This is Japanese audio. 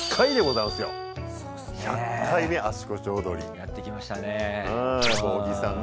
やってきましたね。